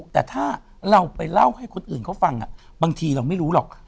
แต่ถ้าเราไปเล่าให้คนอื่นเขาฟังบางทีเราไม่รู้หรอก